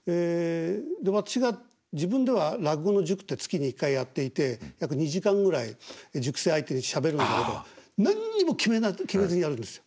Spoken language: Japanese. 私が自分では落語の塾って月に一回やっていて約２時間ぐらい塾生相手にしゃべるんだけど何にも決めずにやるんですよ。